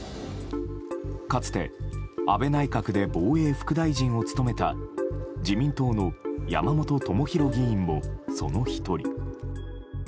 かつて安倍内閣で防衛副大臣を務めた自民党の山本朋広議員もその１人。